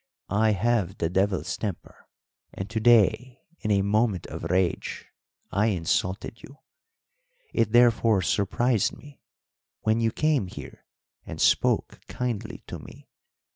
"I have the devil's temper, and to day, in a moment of rage, I insulted you. It therefore surprised me when you came here and spoke kindly to me.